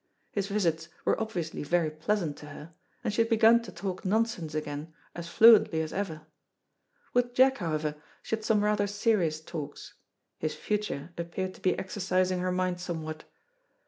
His visits were obviously very pleasant to her, and she had begun to talk nonsense again as fluently as ever. With Jack, however, she had some rather serious talks; his future appeared to be exercising her mind somewhat.